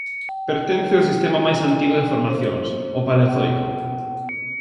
Pertence ó sistema máis antigo de formacións, o paleozoico.